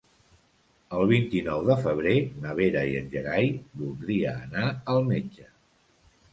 El vint-i-nou de febrer na Vera i en Gerai voldria anar al metge.